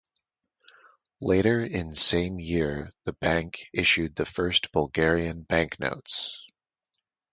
Later in same year the Bank issued the first Bulgarian banknotes.